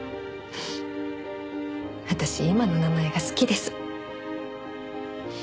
私今の名前が好きです。